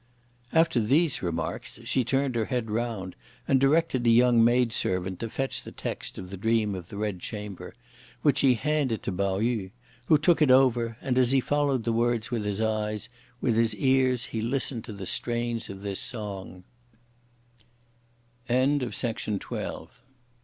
After these remarks, she turned her head round, and directed a young maid servant to fetch the text of the Dream of the Red Chamber, which she handed to Pao yü, who took it over; and as he followed the words with his eyes, with his ears he listened to the strains of this song: Preface of the Brea